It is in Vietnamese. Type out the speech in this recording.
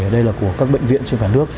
đây là của các bệnh viện trên cả nước